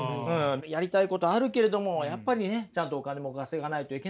やりたいことあるけれどもやっぱりねちゃんとお金も稼がないといけないと。